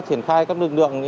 triển khai các lực lượng